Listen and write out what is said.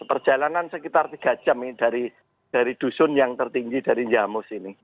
perjalanan sekitar tiga jam ini dari dusun yang tertinggi dari nyamus ini